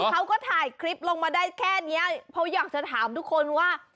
เขาก็ถ่ายคลิปลงมาได้แค่นี้เพราะอยากจะถามทุกคนว่า